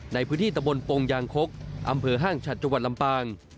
ในพื้นที่ตะบนปงยางคกอำเภอห้างฉัดจังหวัดลำปาง